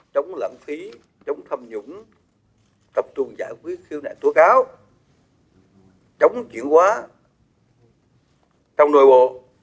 chống lãng phí chống thâm nhũng tập trung giải quyết khiếu nại tố cáo chống chuyển quá trong nội bộ